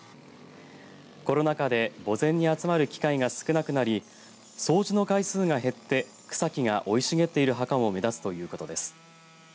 コロナ禍で墓前に集まる機会が少なくなり掃除の回数が減って草木が生い茂っている墓も目立つということです。